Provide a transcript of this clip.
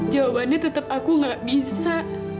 jawabannya tetap aku gak bisa